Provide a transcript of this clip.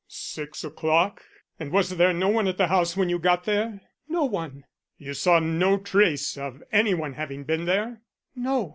"Six o'clock? And was there no one at the house when you got there?" "No one." "You saw no trace of anyone having been there?" "No.